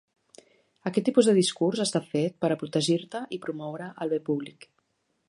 Aquest tipus de discurs està fet per a protegir-te i promoure el bé públic.